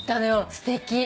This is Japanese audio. すてき。